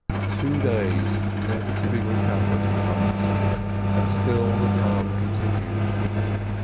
Two days, never to be recovered, passed, and still the calm continued.